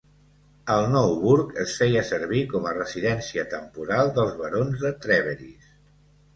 El nou burg es feia servir com a residència temporal dels barons de Trèveris.